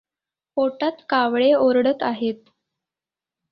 पोटात कावळे ओरडत आहेत.